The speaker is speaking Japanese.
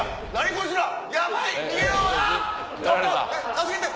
助けて！